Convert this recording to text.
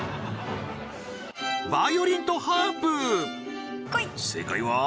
バイオリンとハープ正解は？